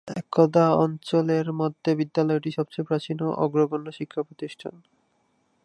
একদা অঞ্চলের মধ্যে বিদ্যালয়টি সবচেয়ে প্রাচীন ও অগ্রগণ্য শিক্ষা প্রতিষ্ঠান।